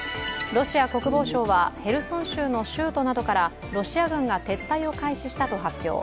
ロシア国防省はヘルソン州の州都などからロシア軍が撤退を開始したと発表。